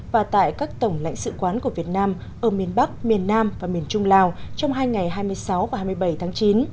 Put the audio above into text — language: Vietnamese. và tại các tổng lãnh sự quán của việt nam ở miền bắc miền nam và miền trung lào trong hai ngày hai mươi sáu và hai mươi bảy tháng chín